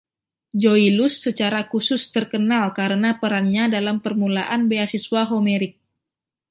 Zoilus secara khusus terkenal karena perannya dalam permulaan beasiswa Homeric.